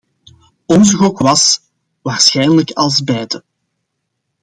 Onze gok was: waarschijnlijk als beide.